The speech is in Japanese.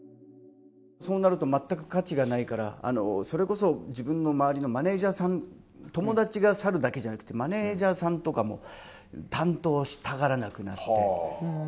そうなると全く価値がないからそれこそ自分の周りのマネージャーさん友達が去るだけじゃなくてマネージャーさんとかも担当したがらなくなって。